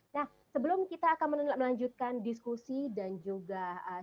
nah sebelum kita akan melanjutkan diskusi dan juga diskusi